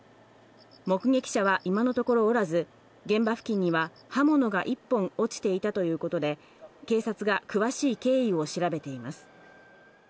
目撃者はいまのところおらず、現場付近には刃物が１本落ちていたということで警察が詳しい経緯を調べています。